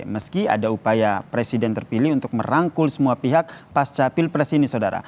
meski ada upaya presiden terpilih untuk merangkul semua pihak pasca pilpres ini saudara